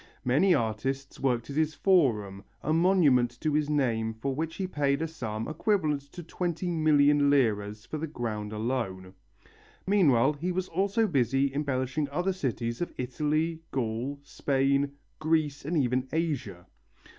Many artists worked at his Forum, a monument to his name for which he paid a sum equivalent to twenty million liras for the ground alone. Meanwhile he was also busy embellishing other cities of Italy, Gaul, Spain, Greece, and even Asia.